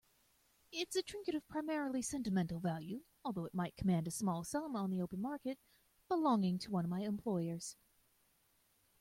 It's a trinket of primarily sentimental value, although it might command a small sum on the open market, belonging to one of my employers.